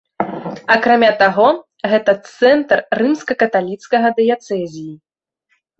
Акрамя таго, гэта цэнтр рымска-каталіцкага дыяцэзіі.